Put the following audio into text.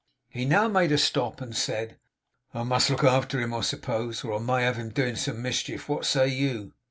He now made a stop, and said: 'I must look after him, I suppose, or I may have him doing some mischief. What say you?